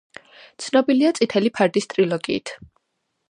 ცნობილია „წითელი ფარდის“ ტრილოგიით.